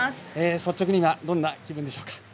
率直に今どんな気分でしょうか。